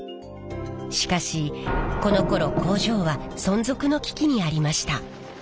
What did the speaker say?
しかしこのころ工場は存続の危機にありました。